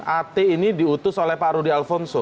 at ini diutus oleh pak rudi alfonso